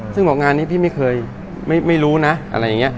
ซึ่งบอกงานนี้พี่ไม่เคยไม่รู้นะอะไรอย่างนี้